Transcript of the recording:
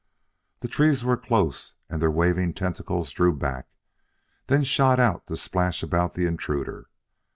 The trees were close, and their waving tentacles drew back, then shot out to splash about the intruder.